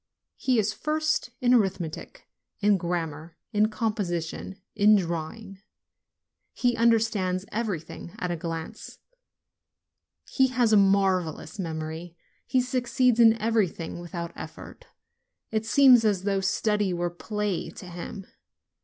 He is first in arithmetic, in grammar, in composition, in drawing ; he understands everything at a glance ; he has a marvelous memory; he succeeds in everything with out effort. It seems as though study were play to him.